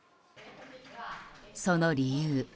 その理由。